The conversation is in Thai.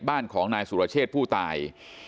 บ้านของนายสุรเชษผู้ตาย